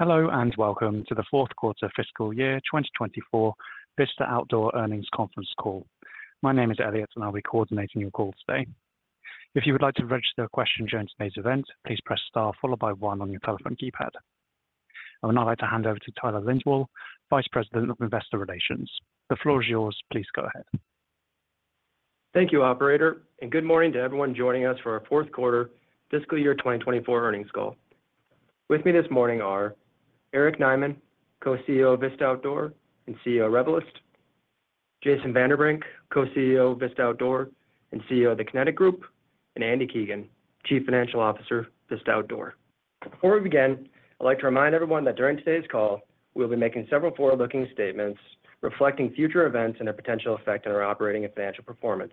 Hello, and welcome to the Fourth Quarter Fiscal Year 2024 Vista Outdoor Earnings Conference Call. My name is Elliot, and I'll be coordinating your call today. If you would like to register a question during today's event, please press star followed by one on your telephone keypad. I would now like to hand over to Tyler Lindwall, Vice President of Investor Relations. The floor is yours. Please go ahead. Thank you, operator, and good morning to everyone joining us for our fourth quarter fiscal year 2024 earnings call. With me this morning are Eric Nyman, Co-CEO of Vista Outdoor and CEO of Revelyst; Jason Vanderbrink, Co-CEO of Vista Outdoor and CEO of The Kinetic Group; and Andy Keegan, Chief Financial Officer, Vista Outdoor. Before we begin, I'd like to remind everyone that during today's call, we'll be making several forward-looking statements reflecting future events and their potential effect on our operating and financial performance.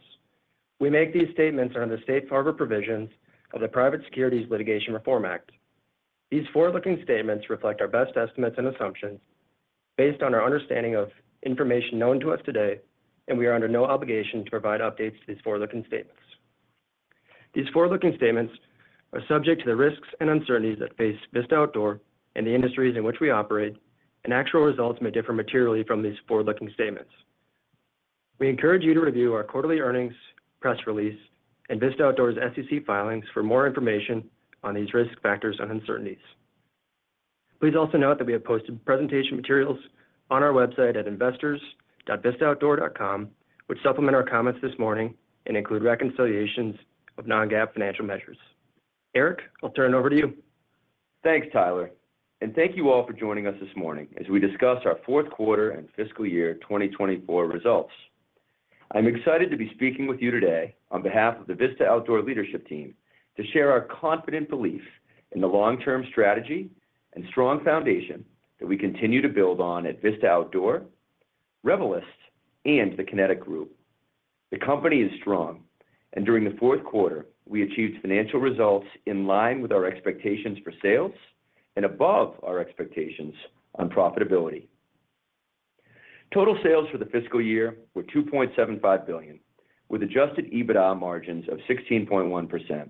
We make these statements under the safe harbor provisions of the Private Securities Litigation Reform Act. These forward-looking statements reflect our best estimates and assumptions based on our understanding of information known to us today, and we are under no obligation to provide updates to these forward-looking statements. These forward-looking statements are subject to the risks and uncertainties that face Vista Outdoor and the industries in which we operate, and actual results may differ materially from these forward-looking statements. We encourage you to review our quarterly earnings, press release, and Vista Outdoor's SEC filings for more information on these risk factors and uncertainties. Please also note that we have posted presentation materials on our website at investors.vistaoutdoor.com, which supplement our comments this morning and include reconciliations of non-GAAP financial measures. Eric, I'll turn it over to you. Thanks, Tyler, and thank you all for joining us this morning as we discuss our fourth quarter and fiscal year 2024 results. I'm excited to be speaking with you today on behalf of the Vista Outdoor leadership team, to share our confident belief in the long-term strategy and strong foundation that we continue to build on at Vista Outdoor, Revelyst, and The Kinetic Group. The company is strong, and during the fourth quarter, we achieved financial results in line with our expectations for sales and above our expectations on profitability. Total sales for the fiscal year were $2.75 billion, with Adjusted EBITDA margins of 16.1%.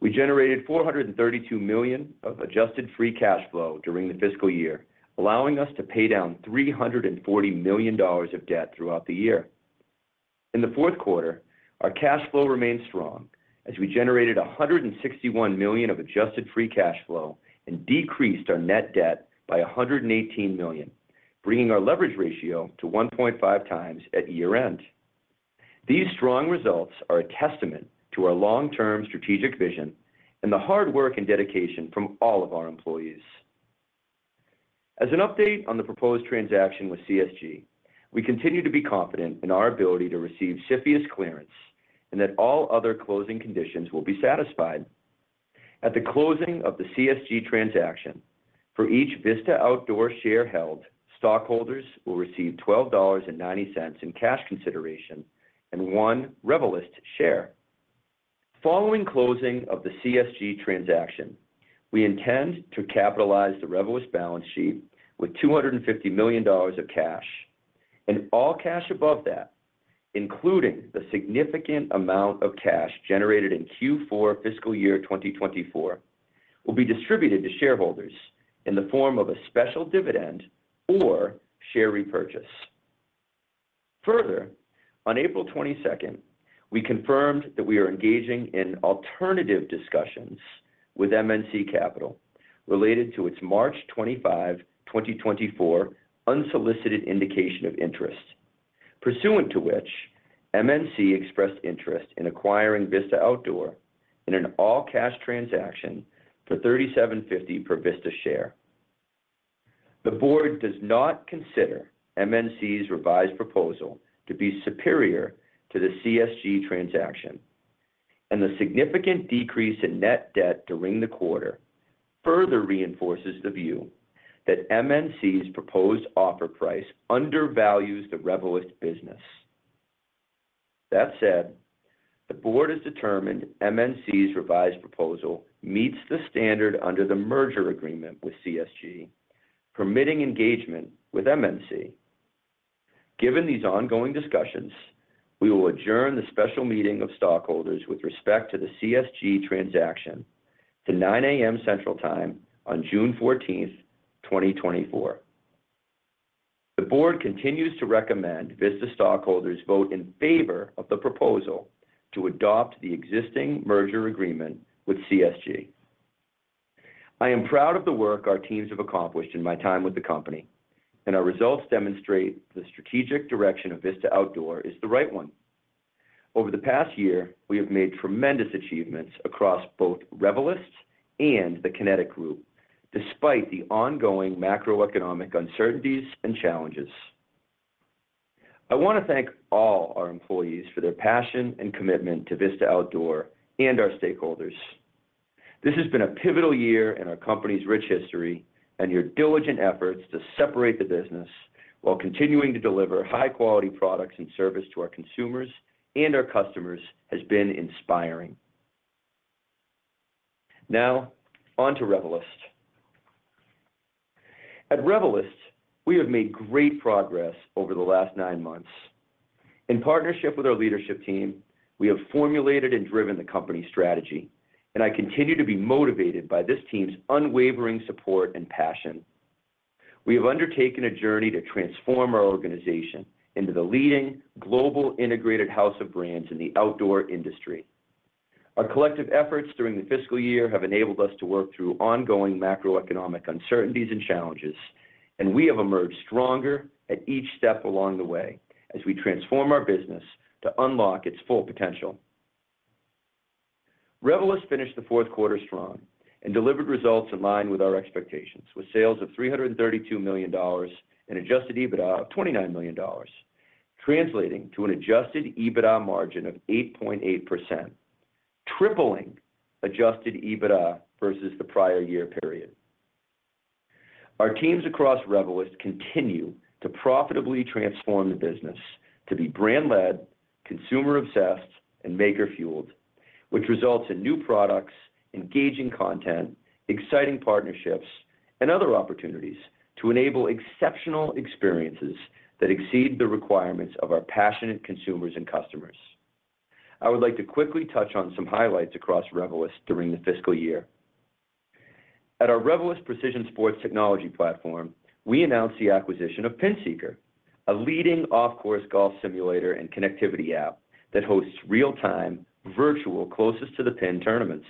We generated $432 million of Adjusted Free Cash Flow during the fiscal year, allowing us to pay down $340 million of debt throughout the year. In the fourth quarter, our cash flow remained strong as we generated $161 million of adjusted free cash flow and decreased our net debt by $118 million, bringing our leverage ratio to 1.5x at year-end. These strong results are a testament to our long-term strategic vision and the hard work and dedication from all of our employees. As an update on the proposed transaction with CSG, we continue to be confident in our ability to receive CFIUS clearance and that all other closing conditions will be satisfied. At the closing of the CSG transaction, for each Vista Outdoor share held, stockholders will receive $12.90 in cash consideration and one Revelyst share. Following closing of the CSG transaction, we intend to capitalize the Revelyst balance sheet with $250 million of cash, and all cash above that, including the significant amount of cash generated in Q4 fiscal year 2024, will be distributed to shareholders in the form of a special dividend or share repurchase. Further, on April 22, we confirmed that we are engaging in alternative discussions with MNC Capital related to its March 25, 2024 unsolicited indication of interest, pursuant to which MNC expressed interest in acquiring Vista Outdoor in an all-cash transaction for $37.50 per Vista share. The board does not consider MNC's revised proposal to be superior to the CSG transaction, and the significant decrease in net debt during the quarter further reinforces the view that MNC's proposed offer price undervalues the Revelyst business. That said, the board has determined MNC's revised proposal meets the standard under the merger agreement with CSG, permitting engagement with MNC. Given these ongoing discussions, we will adjourn the special meeting of stockholders with respect to the CSG transaction to 9:00 A.M. Central Time on June 14, 2024. The board continues to recommend Vista stockholders vote in favor of the proposal to adopt the existing merger agreement with CSG. I am proud of the work our teams have accomplished in my time with the company, and our results demonstrate the strategic direction of Vista Outdoor is the right one. Over the past year, we have made tremendous achievements across both Revelyst and The Kinetic Group, despite the ongoing macroeconomic uncertainties and challenges. I want to thank all our employees for their passion and commitment to Vista Outdoor and our stakeholders. This has been a pivotal year in our company's rich history and your diligent efforts to separate the business while continuing to deliver high-quality products and service to our consumers and our customers has been inspiring. Now, on to Revelyst. At Revelyst, we have made great progress over the last nine months. In partnership with our leadership team, we have formulated and driven the company's strategy, and I continue to be motivated by this team's unwavering support and passion. We have undertaken a journey to transform our organization into the leading global integrated house of brands in the outdoor industry. Our collective efforts during the fiscal year have enabled us to work through ongoing macroeconomic uncertainties and challenges, and we have emerged stronger at each step along the way as we transform our business to unlock its full potential. Revelyst finished the fourth quarter strong and delivered results in line with our expectations, with sales of $332 million and adjusted EBITDA of $29 million, translating to an Adjusted EBITDA margin of 8.8%, tripling Adjusted EBITDA versus the prior year period. Our teams across Revelyst continue to profitably transform the business to be brand-led, consumer-obsessed, and maker-fueled, which results in new products, engaging content, exciting partnerships, and other opportunities to enable exceptional experiences that exceed the requirements of our passionate consumers and customers. I would like to quickly touch on some highlights across Revelyst during the fiscal year. At our Revelyst Precision Sports Technology platform, we announced the acquisition of PinSeeker, a leading off-course golf simulator and connectivity app that hosts real-time, virtual closest-to-the-pin tournaments.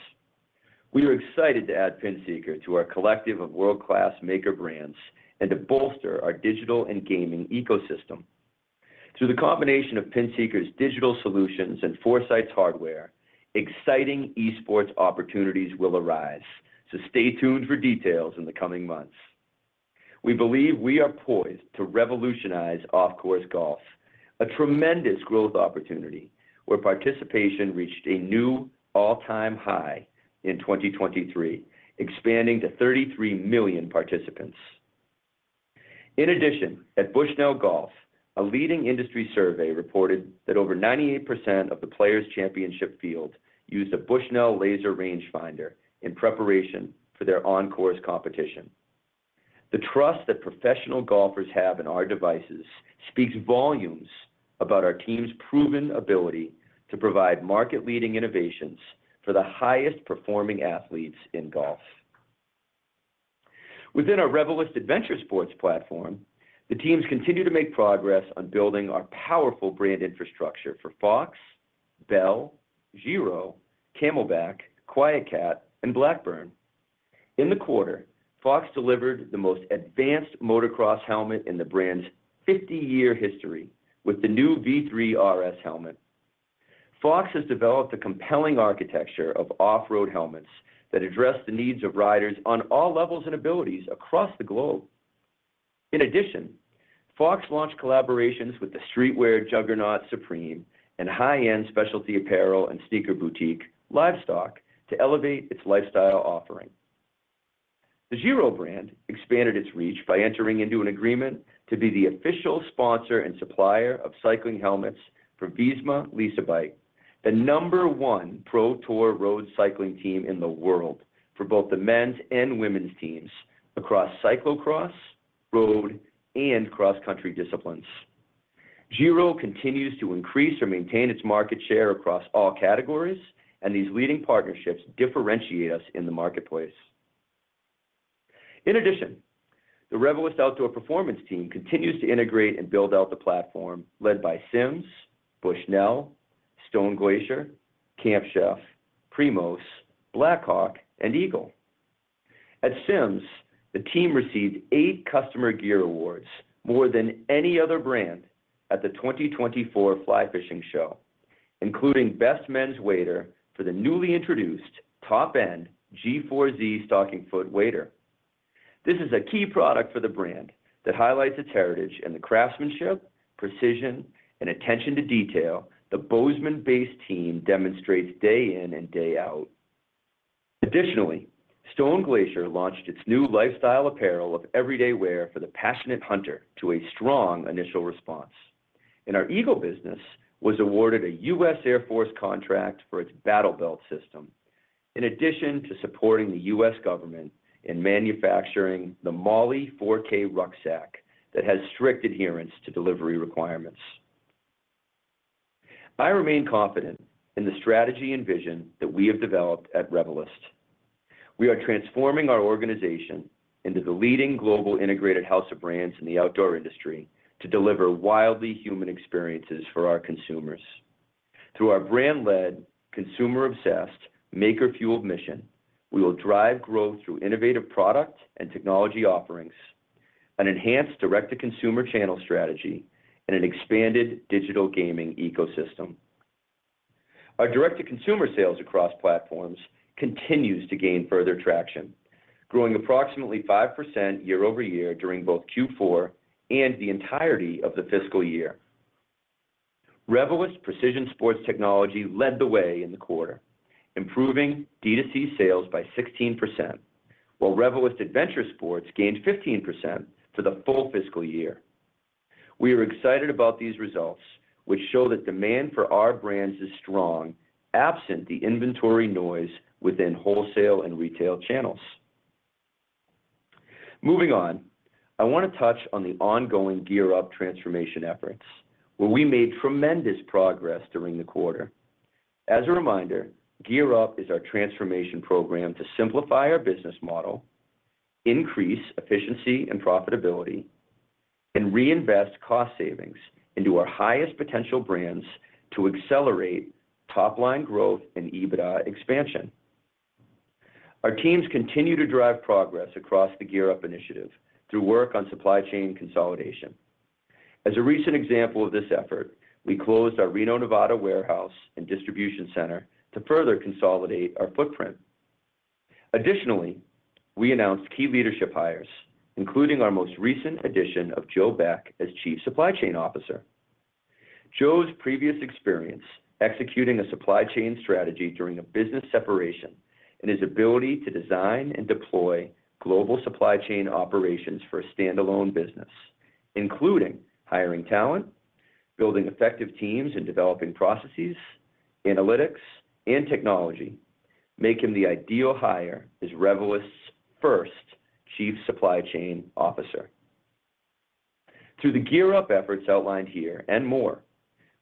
We are excited to add PinSeeker to our collective of world-class maker brands and to bolster our digital and gaming ecosystem. Through the combination of PinSeeker's digital solutions and Foresight's hardware, exciting e-sports opportunities will arise, so stay tuned for details in the coming months. We believe we are poised to revolutionize off-course golf, a tremendous growth opportunity, where participation reached a new all-time high in 2023, expanding to 33 million participants. In addition, at Bushnell Golf, a leading industry survey reported that over 98% of the Players Championship field used a Bushnell laser range finder in preparation for their on-course competition. The trust that professional golfers have in our devices speaks volumes about our team's proven ability to provide market-leading innovations for the highest performing athletes in golf. Within our Revelyst Adventure Sports platform, the teams continue to make progress on building our powerful brand infrastructure for Fox, Bell, Giro, CamelBak, QuietKat, and Blackburn. In the quarter, Fox delivered the most advanced motocross helmet in the brand's 50-year history with the new V3 RS helmet. Fox has developed a compelling architecture of off-road helmets that address the needs of riders on all levels and abilities across the globe. In addition, Fox launched collaborations with the streetwear juggernaut, Supreme, and high-end specialty apparel and sneaker boutique, Livestock, to elevate its lifestyle offering. The Giro brand expanded its reach by entering into an agreement to be the official sponsor and supplier of cycling helmets for Visma Lease a Bike, the number one Pro Tour road cycling team in the world, for both the men's and women's teams across cyclocross, road, and cross-country disciplines. Giro continues to increase or maintain its market share across all categories, and these leading partnerships differentiate us in the marketplace. In addition, the Revelyst Outdoor Performance team continues to integrate and build out the platform led by Simms, Bushnell, Stone Glacier, Camp Chef, Primos, Blackhawk, and Eagle. At Simms, the team received eight customer gear awards, more than any other brand, at the 2024 Fly Fishing Show, including Best Men's Wader for the newly introduced top-end G4Z stockingfoot wader. This is a key product for the brand that highlights its heritage and the craftsmanship, precision, and attention to detail the Bozeman-based team demonstrates day in and day out. Additionally, Stone Glacier launched its new lifestyle apparel of everyday wear for the passionate hunter to a strong initial response. Our Eagle business was awarded a U.S. Air Force contract for its Battle Belt system, in addition to supporting the U.S. government in manufacturing the MOLLE 4K rucksack, that has strict adherence to delivery requirements. I remain confident in the strategy and vision that we have developed at Revelyst. We are transforming our organization into the leading global integrated house of brands in the outdoor industry to deliver wildly human experiences for our consumers. Through our brand-led, consumer-obsessed, maker-fueled mission, we will drive growth through innovative product and technology offerings, an enhanced direct-to-consumer channel strategy, and an expanded digital gaming ecosystem. Our direct-to-consumer sales across platforms continues to gain further traction, growing approximately 5% year-over-year during both Q4 and the entirety of the fiscal year. Revelyst Precision Sports Technology led the way in the quarter, improving D2C sales by 16%, while Revelyst Adventure Sports gained 15% for the full fiscal year. We are excited about these results, which show that demand for our brands is strong, absent the inventory noise within wholesale and retail channels. Moving on, I want to touch on the ongoing GEAR Up transformation efforts, where we made tremendous progress during the quarter. As a reminder, GEAR Up is our transformation program to simplify our business model, increase efficiency and profitability, and reinvest cost savings into our highest potential brands to accelerate top-line growth and EBITDA expansion. Our teams continue to drive progress across the GEAR Up initiative through work on supply chain consolidation. As a recent example of this effort, we closed our Reno, Nevada, warehouse and distribution center to further consolidate our footprint. Additionally, we announced key leadership hires, including our most recent addition of Joe Beck as Chief Supply Chain Officer. Joe's previous experience executing a supply chain strategy during a business separation, and his ability to design and deploy global supply chain operations for a standalone business, including hiring talent, building effective teams, and developing processes, analytics, and technology, make him the ideal hire as Revelyst's first chief supply chain officer. Through the GEAR Up efforts outlined here and more,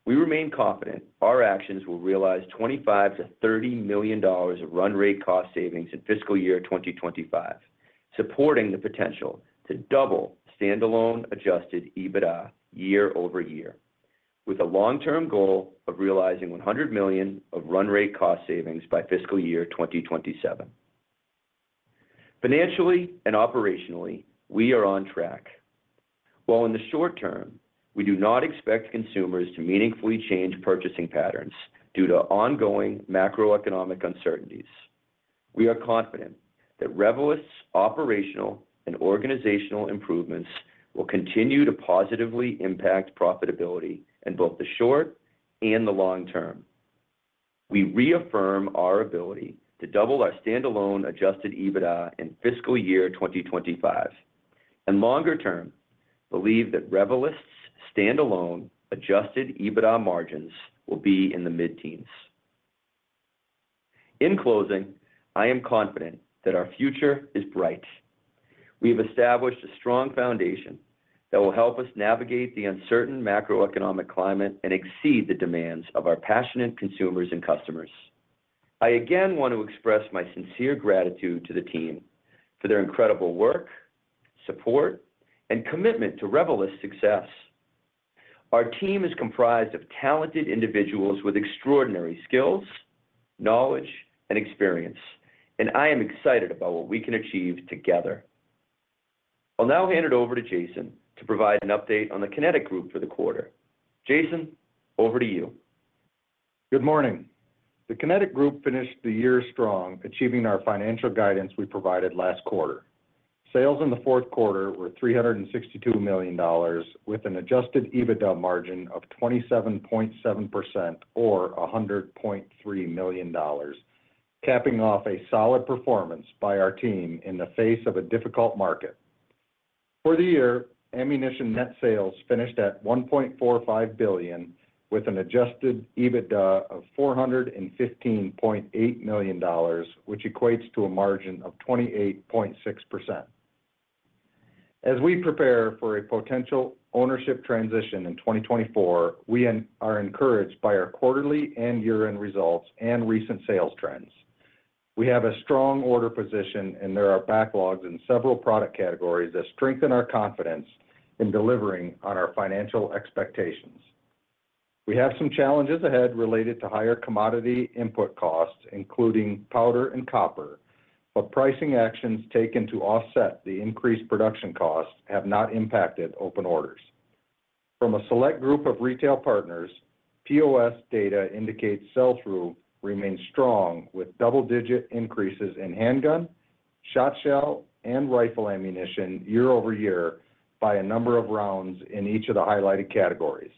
we remain confident our actions will realize $25-$30 million of run rate cost savings in fiscal year 2025, supporting the potential to double standalone adjusted EBITDA year-over-year, with a long-term goal of realizing $100 million of run-rate cost savings by fiscal year 2027. Financially and operationally, we are on track. While in the short term, we do not expect consumers to meaningfully change purchasing patterns due to ongoing macroeconomic uncertainties, we are confident that Revelyst's operational and organizational improvements will continue to positively impact profitability in both the short and the long term. We reaffirm our ability to double our standalone adjusted EBITDA in fiscal year 2025, and longer term, believe that Revelyst's standalone adjusted EBITDA margins will be in the mid-teens. In closing, I am confident that our future is bright. We have established a strong foundation that will help us navigate the uncertain macroeconomic climate and exceed the demands of our passionate consumers and customers. I again want to express my sincere gratitude to the team for their incredible work, support, and commitment to Revelyst's success. Our team is comprised of talented individuals with extraordinary skills, knowledge, and experience, and I am excited about what we can achieve together. I'll now hand it over to Jason to provide an update on the Kinetic Group for the quarter. Jason, over to you. Good morning. The Kinetic Group finished the year strong, achieving our financial guidance we provided last quarter. Sales in the fourth quarter were $362 million, with an adjusted EBITDA margin of 27.7% or $100.3 million, capping off a solid performance by our team in the face of a difficult market. For the year, ammunition net sales finished at $1.45 billion, with an adjusted EBITDA of $415.8 million, which equates to a margin of 28.6%. As we prepare for a potential ownership transition in 2024, we are encouraged by our quarterly and year-end results and recent sales trends. We have a strong order position, and there are backlogs in several product categories that strengthen our confidence in delivering on our financial expectations. We have some challenges ahead related to higher commodity input costs, including powder and copper, but pricing actions taken to offset the increased production costs have not impacted open orders. From a select group of retail partners, POS data indicates sell-through remains strong, with double-digit increases in handgun, shotshell, and rifle ammunition year-over-year by a number of rounds in each of the highlighted categories.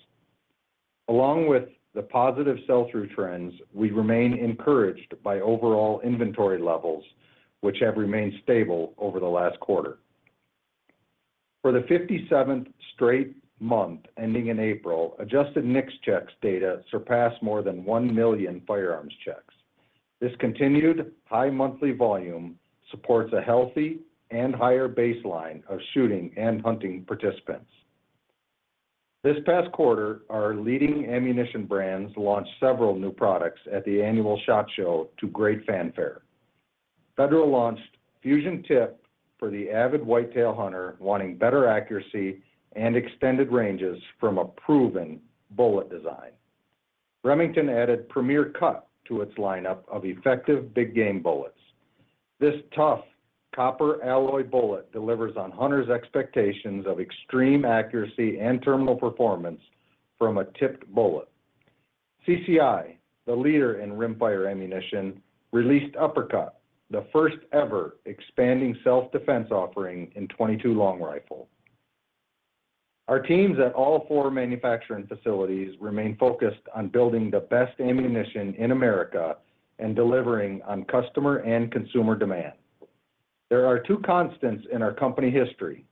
Along with the positive sell-through trends, we remain encouraged by overall inventory levels, which have remained stable over the last quarter. For the 57th straight month, ending in April, adjusted NICS checks data surpassed more than 1 million firearms checks. This continued high monthly volume supports a healthy and higher baseline of shooting and hunting participants. This past quarter, our leading ammunition brands launched several new products at the annual SHOT Show to great fanfare. Federal launched Fusion Tipped for the avid whitetail hunter wanting better accuracy and extended ranges from a proven bullet design. Remington added Premier CuT to its lineup of effective big game bullets. This tough copper alloy bullet delivers on hunters' expectations of extreme accuracy and terminal performance from a tipped bullet. CCI, the leader in rimfire ammunition, released Uppercut, the first ever expanding self-defense offering in .22 Long Rifle. Our teams at all 4 manufacturing facilities remain focused on building the best ammunition in America and delivering on customer and consumer demand. There are 2 constants in our company history: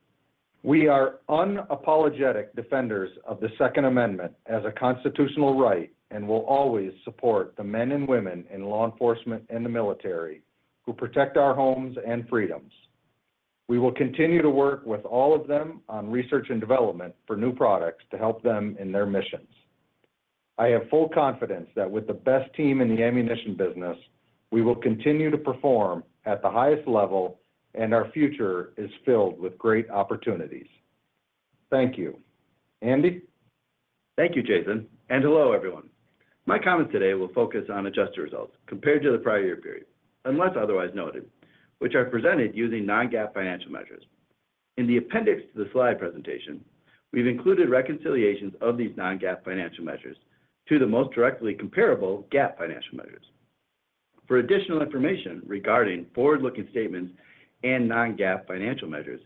We are unapologetic defenders of the Second Amendment as a constitutional right, and will always support the men and women in law enforcement and the military who protect our homes and freedoms. We will continue to work with all of them on research and development for new products to help them in their missions. I have full confidence that with the best team in the ammunition business, we will continue to perform at the highest level, and our future is filled with great opportunities. Thank you. Andy? Thank you, Jason, and hello, everyone. My comments today will focus on adjusted results compared to the prior year period, unless otherwise noted, which are presented using non-GAAP financial measures. In the appendix to the slide presentation, we've included reconciliations of these non-GAAP financial measures to the most directly comparable GAAP financial measures. For additional information regarding forward-looking statements and non-GAAP financial measures,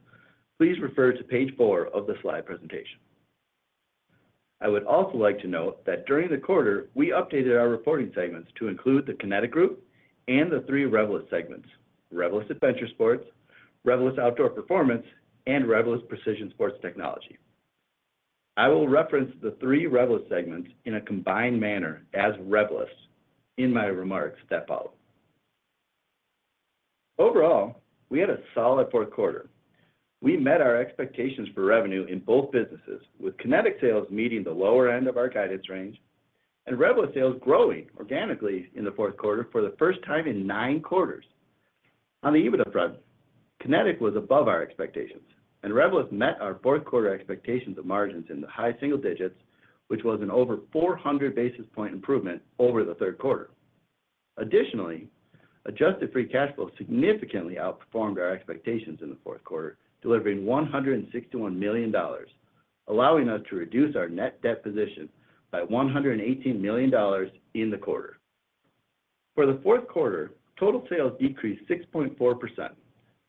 please refer to page four of the slide presentation. I would also like to note that during the quarter, we updated our reporting segments to include The Kinetic Group and the three Revelyst segments: Revelyst Adventure Sports, Revelyst Outdoor Performance, and Revelyst Precision Sports Technology. I will reference the three Revelyst segments in a combined manner as Revelyst in my remarks that follow. Overall, we had a solid fourth quarter. We met our expectations for revenue in both businesses, with Kinetic sales meeting the lower end of our guidance range and Revelyst sales growing organically in the fourth quarter for the first time in 9 quarters. On the EBITDA front, Kinetic was above our expectations, and Revelyst met our fourth quarter expectations of margins in the high single digits, which was an over 400 basis point improvement over the third quarter. Additionally, adjusted free cash flow significantly outperformed our expectations in the fourth quarter, delivering $161 million, allowing us to reduce our net debt position by $118 million in the quarter. For the fourth quarter, total sales decreased 6.4%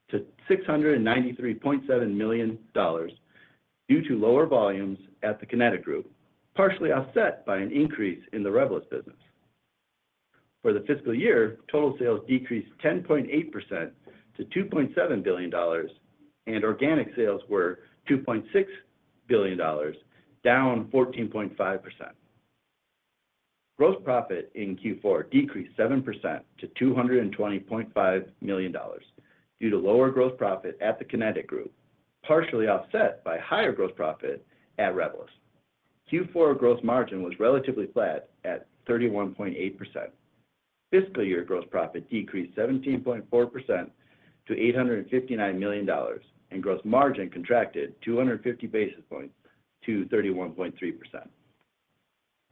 to $693.7 million due to lower volumes at the Kinetic Group, partially offset by an increase in the Revelyst business. For the fiscal year, total sales decreased 10.8% to $2.7 billion, and organic sales were $2.6 billion, down 14.5%. Gross profit in Q4 decreased 7% to $220.5 million due to lower gross profit at The Kinetic Group, partially offset by higher gross profit at Revelyst. Q4 gross margin was relatively flat at 31.8%. Fiscal year gross profit decreased 17.4% to $859 million, and gross margin contracted 250 basis points to 31.3%.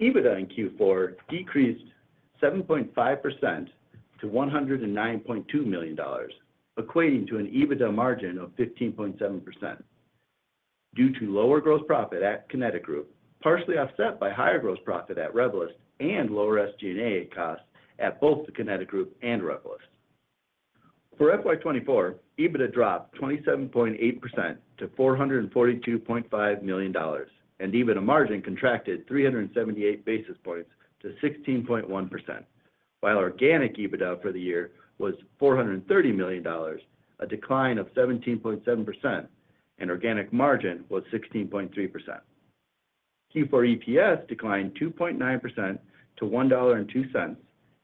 EBITDA in Q4 decreased 7.5% to $109.2 million, equating to an EBITDA margin of 15.7% due to lower gross profit at Kinetic Group, partially offset by higher gross profit at Revelyst and lower SG&A costs at both the Kinetic Group and Revelyst. For FY 2024, EBITDA dropped 27.8% to $442.5 million, and EBITDA margin contracted 378 basis points to 16.1%, while organic EBITDA for the year was $430 million, a decline of 17.7%, and organic margin was 16.3%. Q4 EPS declined 2.9% to $1.02,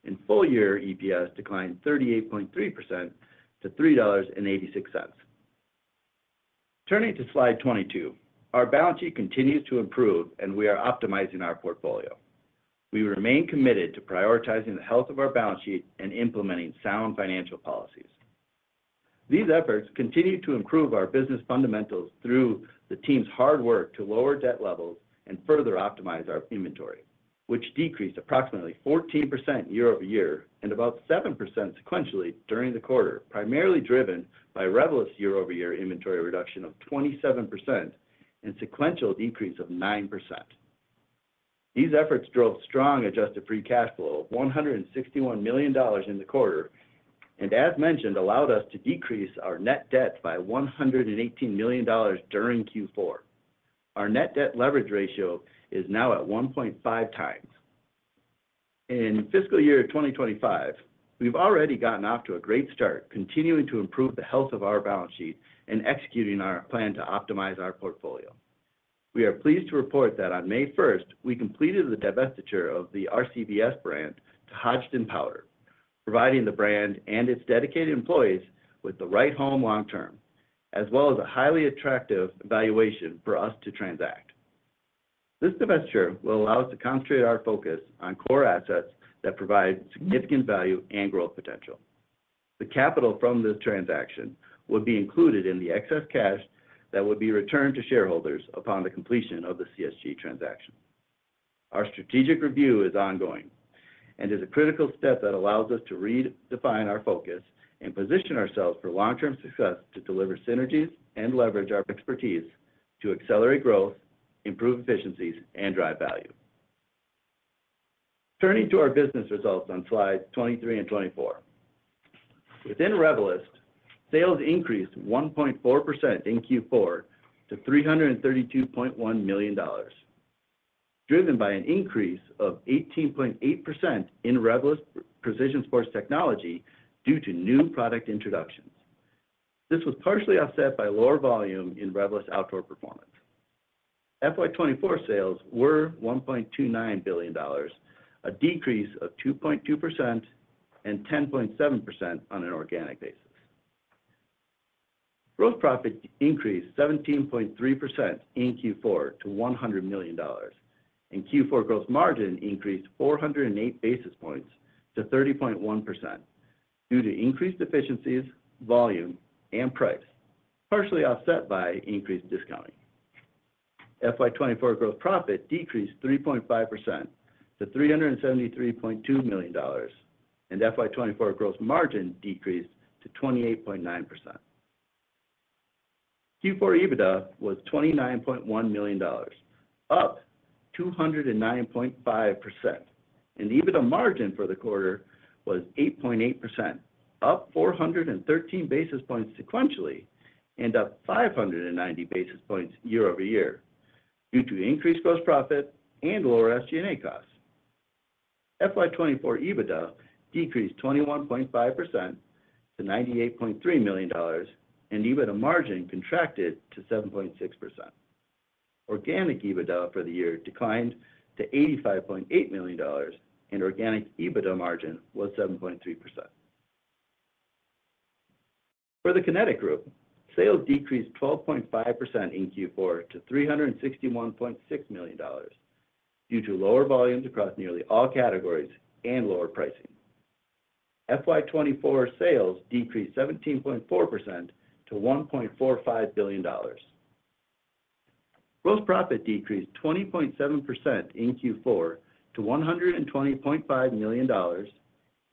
and full year EPS declined 38.3% to $3.86. Turning to slide 22, our balance sheet continues to improve and we are optimizing our portfolio. We remain committed to prioritizing the health of our balance sheet and implementing sound financial policies. These efforts continue to improve our business fundamentals through the team's hard work to lower debt levels and further optimize our inventory, which decreased approximately 14% year over year and about 7% sequentially during the quarter, primarily driven by Revelyst year-over-year inventory reduction of 27% and sequential decrease of 9%. These efforts drove strong adjusted free cash flow of $161 million in the quarter, and as mentioned, allowed us to decrease our net debt by $118 million during Q4. Our net debt leverage ratio is now at 1.5x. In fiscal year 2025, we've already gotten off to a great start, continuing to improve the health of our balance sheet and executing our plan to optimize our portfolio. We are pleased to report that on May 1, we completed the divestiture of the RCBS brand to Hodgdon Powder, providing the brand and its dedicated employees with the right home long term, as well as a highly attractive valuation for us to transact. This divestiture will allow us to concentrate our focus on core assets that provide significant value and growth potential. The capital from this transaction will be included in the excess cash that will be returned to shareholders upon the completion of the CSG transaction. Our strategic review is ongoing and is a critical step that allows us to redefine our focus and position ourselves for long-term success to deliver synergies and leverage our expertise to accelerate growth, improve efficiencies, and drive value. Turning to our business results on slides 23 and 24. Within Revelyst, sales increased 1.4% in Q4 to $332.1 million, driven by an increase of 18.8% in Revelyst Precision Sports Technology due to new product introductions. This was partially offset by lower volume in Revelyst Outdoor Performance. FY 2024 sales were $1.29 billion, a decrease of 2.2% and 10.7% on an organic basis. Gross profit increased 17.3% in Q4 to $100 million, and Q4 gross margin increased 408 basis points to 30.1%, due to increased efficiencies, volume, and price, partially offset by increased discounting. FY 2024 gross profit decreased 3.5% to $373.2 million, and FY 2024 gross margin decreased to 28.9%. Q4 EBITDA was $29.1 million, up 209.5%, and EBITDA margin for the quarter was 8.8%, up 413 basis points sequentially, and up 590 basis points year over year due to increased gross profit and lower SG&A costs. FY 2024 EBITDA decreased 21.5% to $98.3 million, and EBITDA margin contracted to 7.6%. Organic EBITDA for the year declined to $85.8 million, and organic EBITDA margin was 7.3%. For The Kinetic Group, sales decreased 12.5% in Q4 to $361.6 million due to lower volumes across nearly all categories and lower pricing. FY 2024 sales decreased 17.4% to $1.45 billion. Gross profit decreased 20.7% in Q4 to $120.5 million,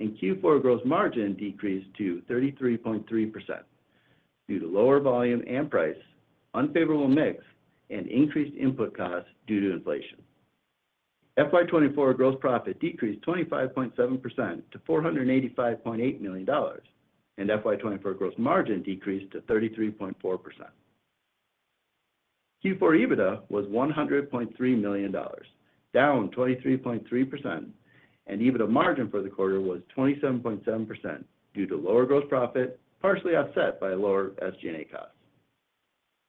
and Q4 gross margin decreased to 33.3% due to lower volume and price, unfavorable mix, and increased input costs due to inflation. FY 2024 gross profit decreased 25.7% to $485.8 million, and FY 2024 gross margin decreased to 33.4%. Q4 EBITDA was $100.3 million, down 23.3%, and EBITDA margin for the quarter was 27.7% due to lower gross profit, partially offset by lower SG&A costs.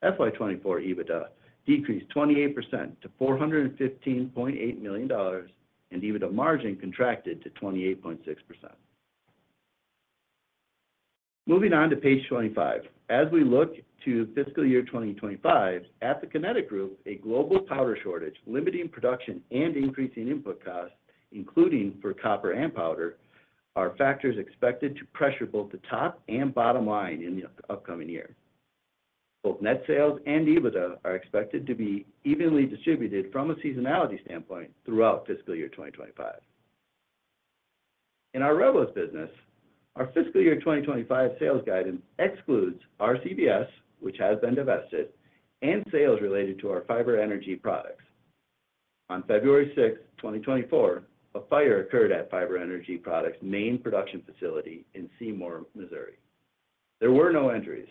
FY 2024 EBITDA decreased 28% to $415.8 million, and EBITDA margin contracted to 28.6%. Moving on to page 25. As we look to fiscal year 2025, at The Kinetic Group, a global powder shortage, limiting production and increasing input costs, including for copper and powder, are factors expected to pressure both the top and bottom line in the upcoming year. Both net sales and EBITDA are expected to be evenly distributed from a seasonality standpoint throughout fiscal year 2025. In our Revelyst business, our fiscal year 2025 sales guidance excludes RCBS, which has been divested, and sales related to our Fiber Energy Products. On February 6, 2024, a fire occurred at Fiber Energy Products' main production facility in Seymour, Missouri. There were no injuries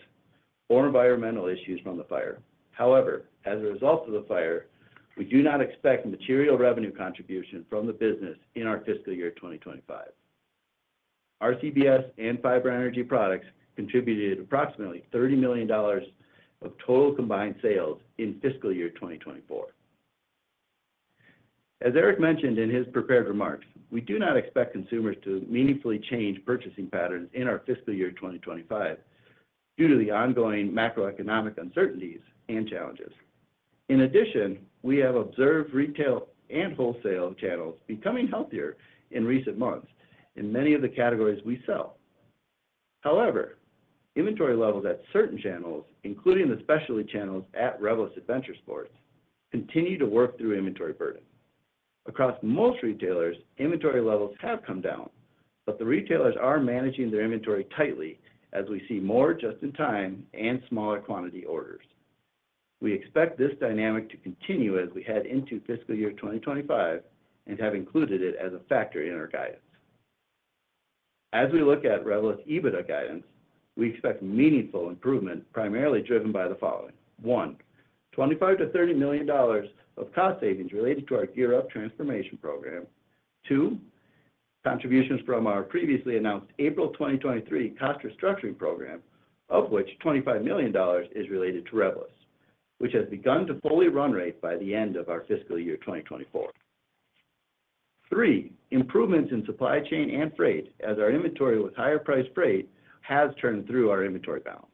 or environmental issues from the fire. However, as a result of the fire, we do not expect material revenue contribution from the business in our fiscal year 2025. RCBS and Fiber Energy Products contributed approximately $30 million of total combined sales in fiscal year 2024. As Eric mentioned in his prepared remarks, we do not expect consumers to meaningfully change purchasing patterns in our fiscal year 2025 due to the ongoing macroeconomic uncertainties and challenges. In addition, we have observed retail and wholesale channels becoming healthier in recent months in many of the categories we sell. However, inventory levels at certain channels, including the specialty channels at Revelyst Adventure Sports, continue to work through inventory burden. Across most retailers, inventory levels have come down, but the retailers are managing their inventory tightly as we see more just-in-time and smaller quantity orders. We expect this dynamic to continue as we head into fiscal year 2025 and have included it as a factor in our guidance. As we look at Revelyst EBITDA guidance, we expect meaningful improvement, primarily driven by the following: One, $25 million-$30 million of cost savings related to our Gear Up transformation program. Two, contributions from our previously announced April 2023 cost restructuring program, of which $25 million is related to Revelyst, which has begun to fully run rate by the end of our fiscal year 2024. Three, improvements in supply chain and freight, as our inventory with higher priced freight has turned through our inventory balance.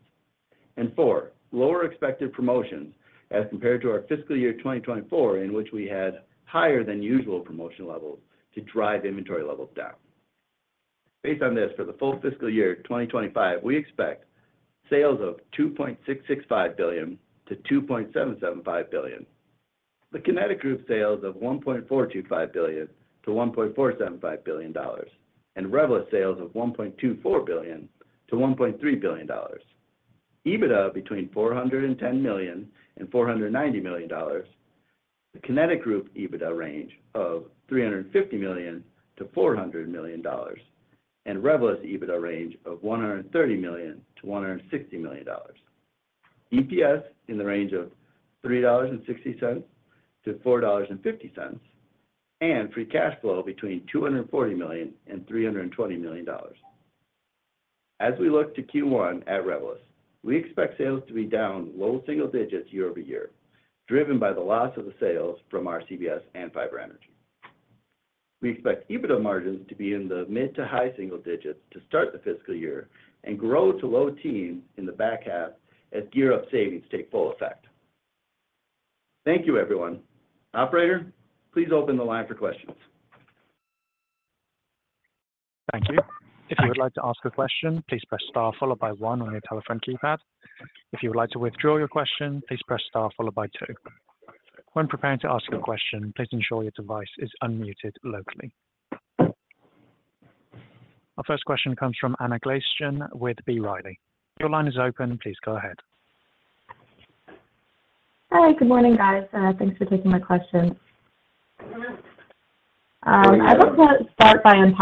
And four, lower expected promotions as compared to our fiscal year 2024, in which we had higher than usual promotion levels to drive inventory levels down. Based on this, for the full fiscal year 2025, we expect sales of $2.665 billion-$2.775 billion. The Kinetic Group sales of $1.425 billion-$1.475 billion, and Revelyst sales of $1.24 billion-$1.3 billion. EBITDA between $410 million and $490 million. The Kinetic Group EBITDA range of $350 million-$400 million, and Revelyst EBITDA range of $130 million-$160 million. EPS in the range of $3.60-$4.50, and free cash flow between $240 million and $320 million. As we look to Q1 at Revelyst, we expect sales to be down low single digits year-over-year, driven by the loss of the sales from RCBS and Fiber Energy Products. We expect EBITDA margins to be in the mid- to high-single digits to start the fiscal year and grow to low teens in the back half as GEAR Up savings take full effect. Thank you, everyone. Operator, please open the line for questions. Thank you. If you would like to ask a question, please press star followed by one on your telephone keypad. If you would like to withdraw your question, please press star followed by two. When preparing to ask a question, please ensure your device is unmuted locally. Our first question comes from Anna Glaessgen with B. Riley. Your line is open. Please go ahead. Hi, good morning, guys. Thanks for taking my questions. Morning.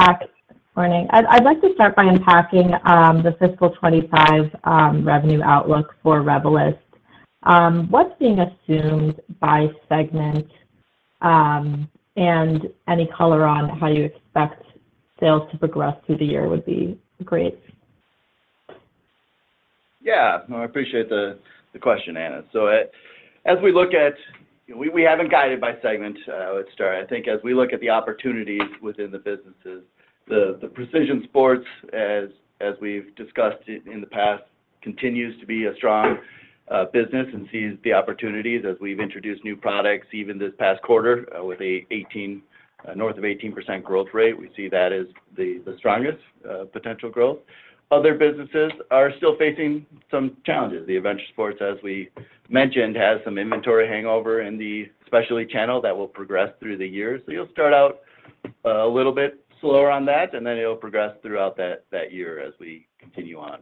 I'd like to start by unpacking the fiscal 25 revenue outlook for Revelyst. What's being assumed by segment, and any color on how you expect sales to progress through the year would be great? Yeah. No, I appreciate the question, Anna. We haven't guided by segment. Let's start. I think as we look at the opportunities within the businesses, the precision sports, as we've discussed in the past, continues to be a strong business and sees the opportunities as we've introduced new products, even this past quarter, with north of 18% growth rate. We see that as the strongest potential growth. Other businesses are still facing some challenges. The adventure sports, as we mentioned, has some inventory hangover in the specialty channel that will progress through the year. So you'll start out a little bit slower on that, and then it'll progress throughout that year as we continue on.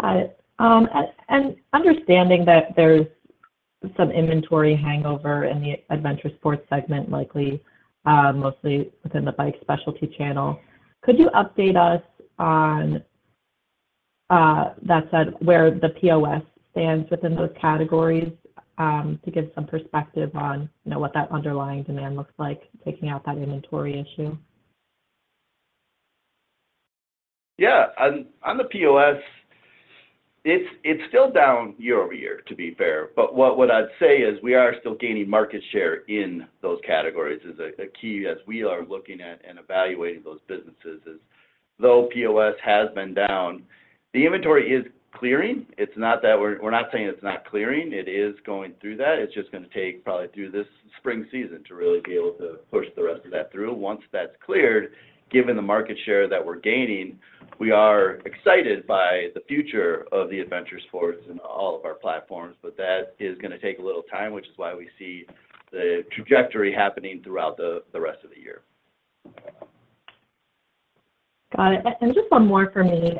Got it. And understanding that there's some inventory hangover in the adventure sports segment, likely mostly within the bike specialty channel, could you update us on that said, where the POS stands within those categories, to give some perspective on, you know, what that underlying demand looks like, taking out that inventory issue? Yeah. On the POS, it's still down year-over-year, to be fair, but what I'd say is we are still gaining market share in those categories. A key as we are looking at and evaluating those businesses is, though POS has been down, the inventory is clearing. It's not that we're not saying it's not clearing. It is going through that. It's just gonna take probably through this spring season to really be able to push the rest of that through. Once that's cleared, given the market share that we're gaining, we are excited by the future of the adventure sports in all of our platforms, but that is gonna take a little time, which is why we see the trajectory happening throughout the rest of the year. Got it. And just one more for me.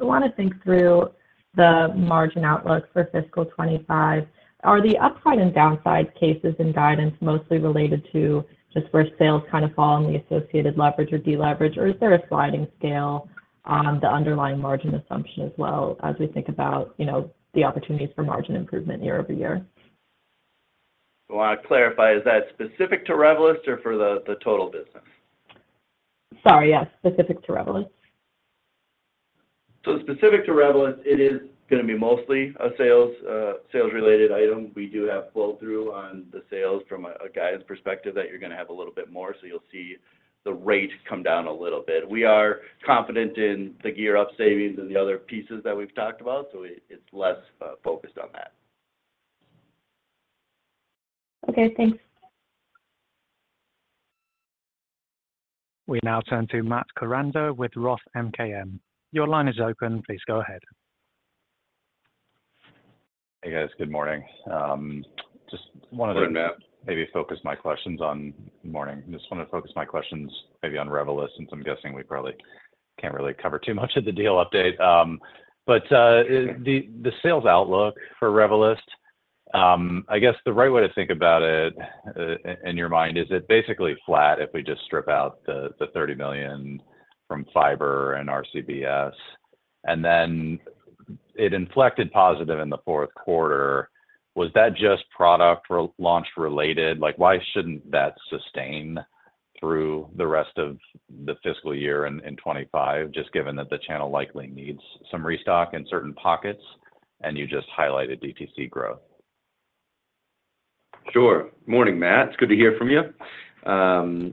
I want to think through the margin outlook for fiscal 25. Are the upside and downside cases in guidance mostly related to just where sales kind of fall in the associated leverage or deleverage, or is there a sliding scale on the underlying margin assumption as well, as we think about, you know, the opportunities for margin improvement year-over-year? Well, to clarify, is that specific to Revelyst or for the total business? Sorry, yes. Specific to Revelyst. So specific to Revelyst, it is gonna be mostly a sales, sales-related item. We do have pull-through on the sales from a guidance perspective that you're gonna have a little bit more, so you'll see the rate come down a little bit. We are confident in the GEAR Up savings and the other pieces that we've talked about, so it, it's less focused on that. Okay, thanks. We now turn to Matt Koranda with Roth MKM. Your line is open. Please go ahead. Hey, guys. Good morning Good morning, Matt. Morning. Just wanted to focus my questions maybe on Revelyst, since I'm guessing we probably can't really cover too much of the deal update. But the sales outlook for Revelyst, I guess the right way to think about it, in your mind, is it basically flat if we just strip out the $30 million from Fiber and RCBS, and then it inflected positive in the fourth quarter? Was that just product relaunch related? Like, why shouldn't that sustain through the rest of the fiscal year in 2025, just given that the channel likely needs some restock in certain pockets, and you just highlighted DTC growth? Sure. Morning, Matt. It's good to hear from you.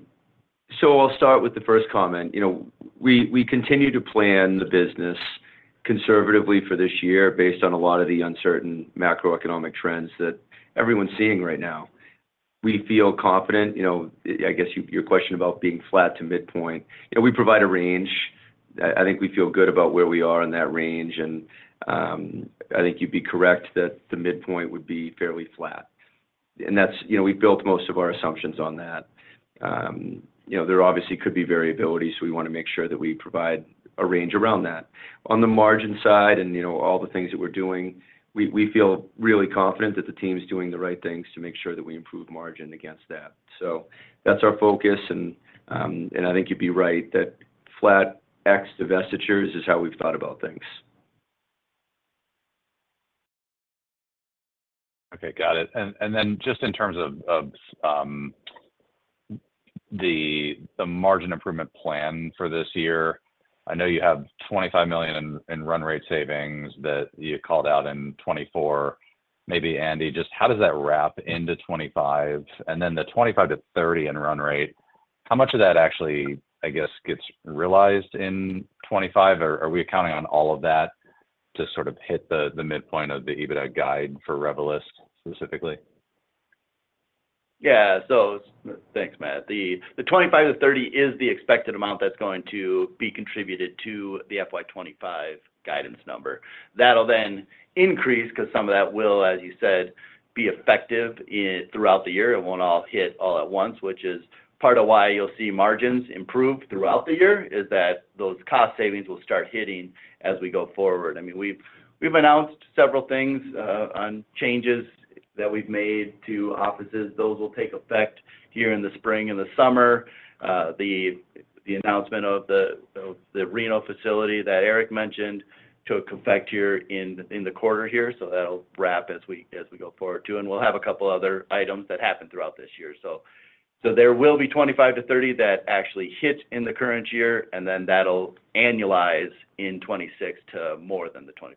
So I'll start with the first comment. You know, we continue to plan the business conservatively for this year based on a lot of the uncertain macroeconomic trends that everyone's seeing right now. We feel confident, you know, I guess your question about being flat to midpoint, you know, we provide a range. I think we feel good about where we are in that range, and I think you'd be correct that the midpoint would be fairly flat. And that's, you know, we've built most of our assumptions on that. You know, there obviously could be variability, so we want to make sure that we provide a range around that on the margin side and, you know, all the things that we're doing, we feel really confident that the team's doing the right things to make sure that we improve margin against that. So that's our focus, and I think you'd be right, that flat X divestitures is how we've thought about things. Okay, got it. And then just in terms of the margin improvement plan for this year, I know you have $25 million in run rate savings that you called out in 2024. Maybe, Andy, just how does that wrap into 2025? And then the $25 million-$30 million in run rate, how much of that actually, I guess, gets realized in 2025, or are we accounting on all of that to sort of hit the midpoint of the EBITDA guide for Revelyst specifically? Yeah. So thanks, Matt. The 25-30 is the expected amount that's going to be contributed to the FY 2025 guidance number. That'll then increase, 'cause some of that will, as you said, be effective throughout the year. It won't all hit all at once, which is part of why you'll see margins improve throughout the year, is that those cost savings will start hitting as we go forward. I mean, we've announced several things on changes that we've made to offices. Those will take effect here in the spring and the summer. The announcement of the Reno facility that Eric mentioned took effect here in the quarter, so that'll wrap as we go forward, too, and we'll have a couple other items that happen throughout this year. So, there will be 25-30 that actually hit in the current year, and then that'll annualize in 2026 to more than the 25-30.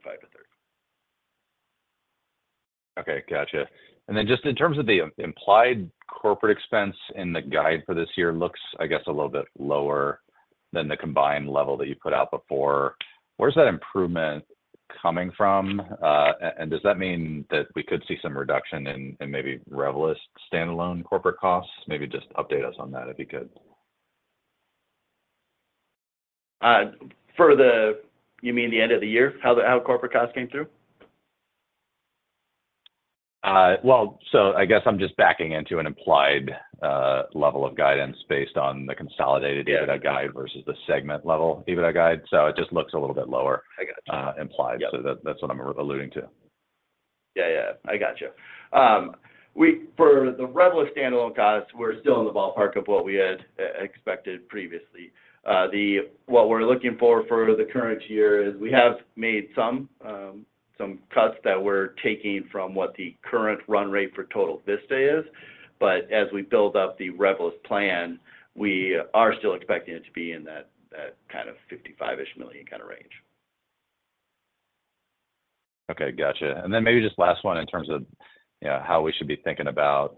Okay, gotcha. And then just in terms of the implied corporate expense in the guide for this year, looks, I guess, a little bit lower than the combined level that you put out before. Where's that improvement coming from? And does that mean that we could see some reduction in maybe Revelyst's standalone corporate costs? Maybe just update us on that, it'd be good. You mean the end of the year, how the, how corporate costs came through Well, so I guess I'm just backing into an implied level of guidance based on the consolidated EBITDA guide versus the segment-level EBITDA guide, so it just looks a little bit lower implied. So that's what I'm alluding to. Yeah, yeah. I gotcha. We-- for the Revelyst standalone costs, we're still in the ballpark of what we had expected previously. What we're looking for for the current year is we have made some cuts that we're taking from what the current run rate for total Vista is, but as we build up the Revelyst plan, we are still expecting it to be in that, that kind of $55 million-ish kind of range. Okay, gotcha. And then maybe just last one in terms of, you know, how we should be thinking about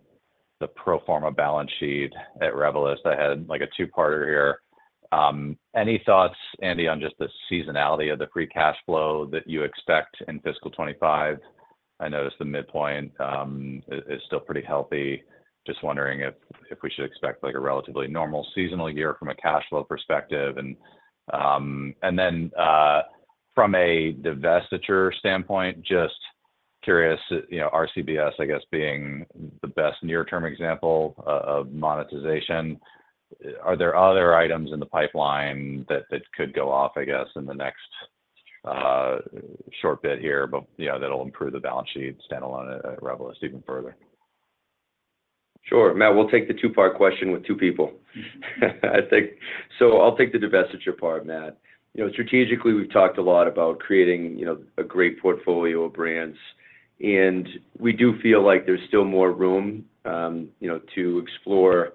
the pro forma balance sheet at Revelyst. I had, like, a two-parter here. Any thoughts, Andy, on just the seasonality of the free cash flow that you expect in fiscal 2025? I noticed the midpoint is still pretty healthy. Just wondering if we should expect, like, a relatively normal seasonal year from a cash flow perspective. And then from a divestiture standpoint, just curious, you know, RCBS, I guess, being the best near-term example of monetization, are there other items in the pipeline that could go off, I guess, in the next short bit here, but, you know, that'll improve the balance sheet standalone at Revelyst even further? Sure. Matt, we'll take the two-part question with two people. I think. So I'll take the divestiture part, Matt. You know, strategically, we've talked a lot about creating, you know, a great portfolio of brands, and we do feel like there's still more room, you know, to explore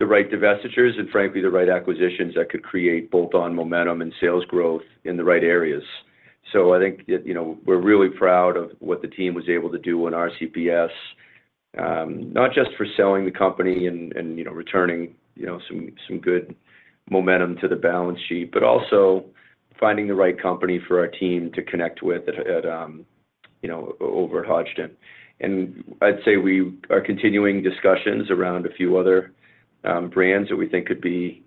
the right divestitures and frankly, the right acquisitions that could create both on momentum and sales growth in the right areas. So I think, you know, we're really proud of what the team was able to do on RCBS, not just for selling the company and, you know, returning, you know, some good momentum to the balance sheet, but also finding the right company for our team to connect with at, you know, over at Hodgdon. I'd say we are continuing discussions around a few other brands that we think could be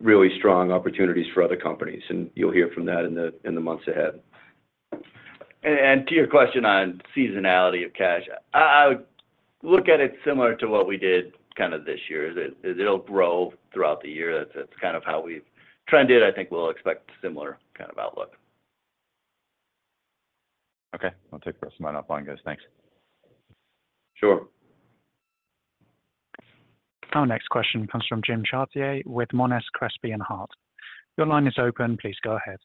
really strong opportunities for other companies, and you'll hear from that in the months ahead. To your question on seasonality of cash, I would look at it similar to what we did kind of this year. It'll grow throughout the year. That's kind of how we've trended. I think we'll expect similar kind of outlook. Okay. I'll take the rest of my offline, guys. Thanks. Sure. Our next question comes from Jim Chartier with Monness, Crespi, Hardt & Co. Your line is open. Please go ahead.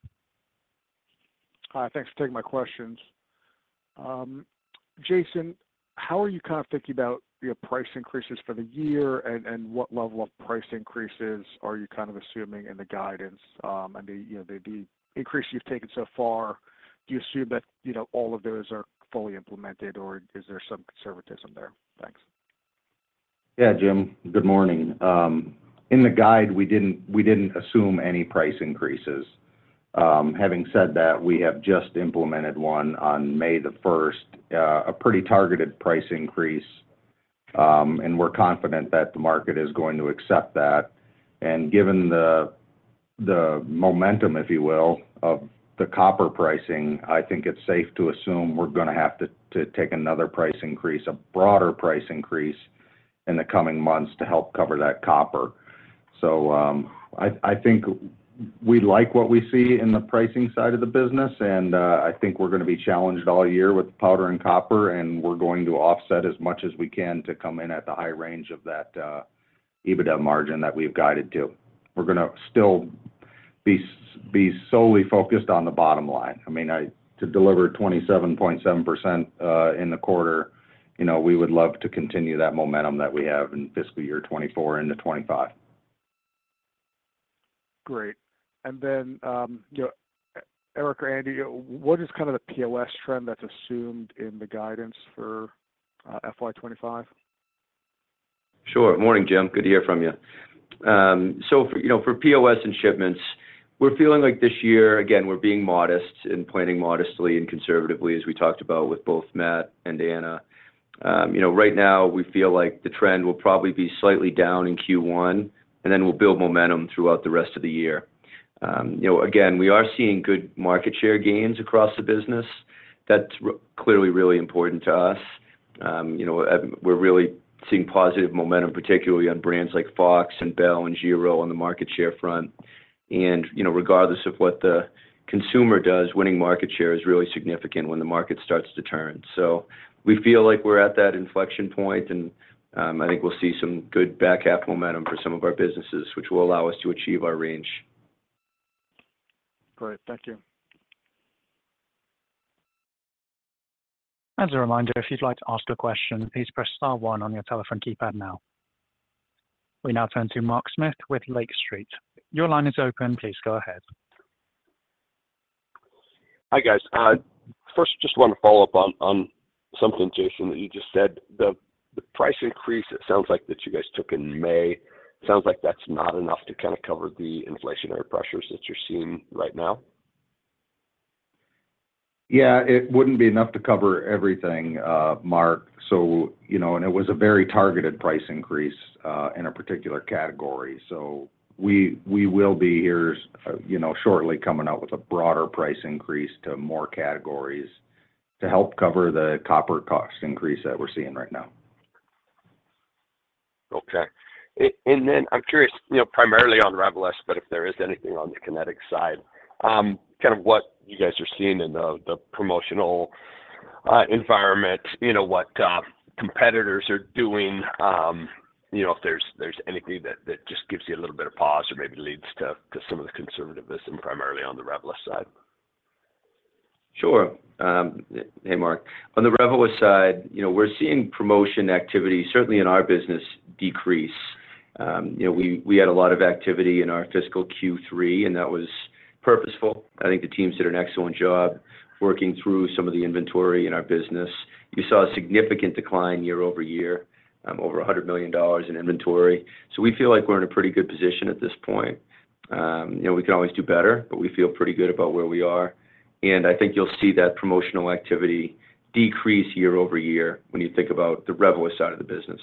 Hi, thanks for taking my questions. Jason, how are you kind of thinking about your price increases for the year, and what level of price increases are you kind of assuming in the guidance? I mean, you know, the increase you've taken so far, do you assume that, you know, all of those are fully implemented, or is there some conservatism there? Thanks. Yeah, Jim. Good morning. In the guide, we didn't assume any price increases. Having said that, we have just implemented one on May 1st, a pretty targeted price increase, and we're confident that the market is going to accept that. And given the momentum, if you will, of the copper pricing, I think it's safe to assume we're gonna have to take another price increase, a broader price increase in the coming months to help cover that copper. So, I think we like what we see in the pricing side of the business, and I think we're going to be challenged all year with powder and copper, and we're going to offset as much as we can to come in at the high range of that EBITDA margin that we've guided to. We're gonna still be be solely focused on the bottom line. I mean, to deliver 27.7% in the quarter, you know, we would love to continue that momentum that we have in fiscal year 2024 into 2025. Great. And then, you know, Eric or Andy, what is kind of the POS trend that's assumed in the guidance for FY 25? Sure. Morning, Jim. Good to hear from you. So for, you know, for POS and shipments, we're feeling like this year, again, we're being modest and planning modestly and conservatively, as we talked about with both Matt and Anna. You know, right now, we feel like the trend will probably be slightly down in Q1, and then we'll build momentum throughout the rest of the year. You know, again, we are seeing good market share gains across the business. That's clearly really important to us. You know, we're really seeing positive momentum, particularly on brands like Fox and Bell and Giro on the market share front. And, you know, regardless of what the consumer does, winning market share is really significant when the market starts to turn. We feel like we're at that inflection point, and I think we'll see some good back-half momentum for some of our businesses, which will allow us to achieve our range. Great. Thank you. As a reminder, if you'd like to ask a question, please press star one on your telephone keypad now. We now turn to Mark Smith with Lake Street. Your line is open. Please go ahead. Hi, guys. First, just want to follow up on something, Jason, that you just said. The price increase, it sounds like that you guys took in May, sounds like that's not enough to kind of cover the inflationary pressures that you're seeing right now? Yeah, it wouldn't be enough to cover everything, Mark. So, you know, and it was a very targeted price increase in a particular category. So we will be here, you know, shortly coming out with a broader price increase to more categories to help cover the copper cost increase that we're seeing right now. Okay. And then I'm curious, you know, primarily on the Revelyst, but if there is anything on the Kinetic side, kind of what you guys are seeing in the promotional environment, you know, what competitors are doing, you know, if there's anything that just gives you a little bit of pause or maybe leads to some of the conservatism, primarily on the Revelyst side. Sure. Hey, Mark. On the Revelyst side, you know, we're seeing promotional activity, certainly in our business, decrease. You know, we had a lot of activity in our fiscal Q3, and that was purposeful. I think the team did an excellent job working through some of the inventory in our business. You saw a significant decline year-over-year, over $100 million in inventory. So we feel like we're in a pretty good position at this point. You know, we can always do better, but we feel pretty good about where we are, and I think you'll see that promotional activity decrease year-over-year when you think about the Revelyst side of the business.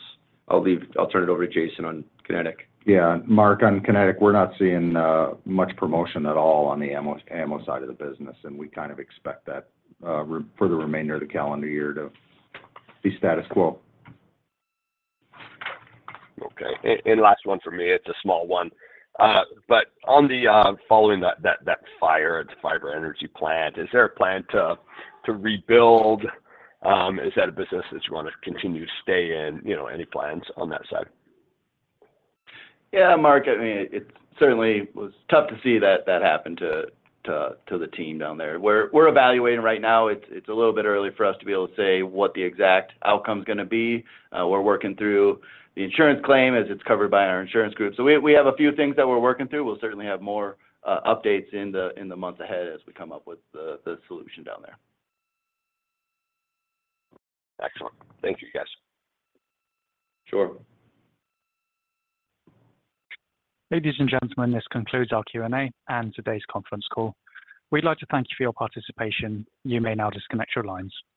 I'll turn it over to Jason on Kinetic. Yeah, Mark, on Kinetic, we're not seeing much promotion at all on the ammo, ammo side of the business, and we kind of expect that for the remainder of the calendar year to be status quo. Okay. And last one for me, it's a small one. But on the following that fire at the Fiber Energy plant, is there a plan to rebuild? Is that a business that you want to continue to stay in? You know, any plans on that side? Yeah, Mark, I mean, it certainly was tough to see that happen to the team down there. We're evaluating right now. It's a little bit early for us to be able to say what the exact outcome is going to be. We're working through the insurance claim as it's covered by our insurance group. So we have a few things that we're working through. We'll certainly have more updates in the months ahead as we come up with the solution down there. Excellent. Thank you, guys. Sure. Ladies and gentlemen, this concludes our Q&A and today's conference call. We'd like to thank you for your participation. You may now disconnect your lines.